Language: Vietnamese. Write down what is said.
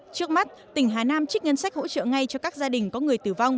trước mắt tỉnh hà nam trích ngân sách hỗ trợ ngay cho các gia đình có người tử vong